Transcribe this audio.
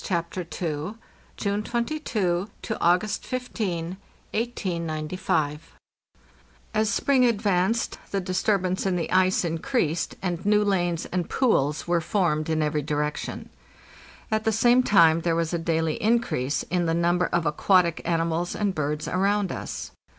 CHAPTER ET JUNE 22 TO AUGUST 15, 1895 AS spring advanced the disturbance in the ice increased, and new lanes and pools were formed in every direction. At the same time there was a daily increase in the number of aquatic animals and birds around us.